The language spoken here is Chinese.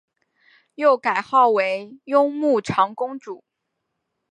又改号为雍穆长公主。